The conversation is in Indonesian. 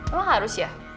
emang harus ya